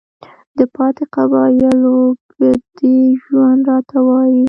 د پاتې قبايلو بدوى ژوند راته وايي،